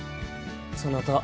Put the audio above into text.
そなた